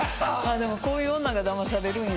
でもこういう女がだまされるんや。